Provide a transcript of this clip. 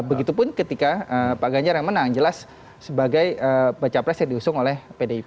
begitupun ketika pak ganjar yang menang jelas sebagai baca pres yang diusung oleh pdip